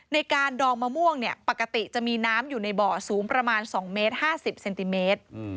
ในการดองมะม่วงเนี่ยปกติจะมีน้ำอยู่ในบ่อสูงประมาณ๒เมตร๕๐เซนติเมตร